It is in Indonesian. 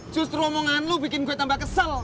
justru omongan lo bikin gue tambah kesel